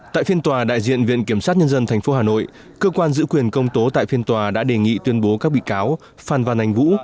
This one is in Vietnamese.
tại phiên tòa đại diện viện kiểm sát nhân dân tp hà nội cơ quan giữ quyền công tố tại phiên tòa đã đề nghị tuyên bố các bị cáo phan văn anh vũ